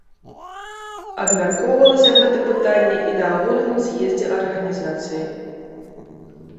Абмяркоўвалася гэта пытанне і на агульным з'ездзе арганізацыі.